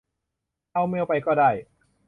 เอาเมล์ไปก้อได้